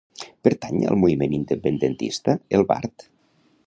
Pertany al moviment independentista el Bart?